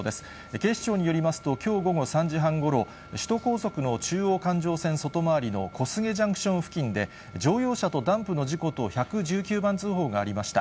警視庁によりますと、きょう午後３時半ごろ、首都高速の中央環状線外回りの小菅ジャンクション付近で、乗用車とダンプの事故と、１１９番通報がありました。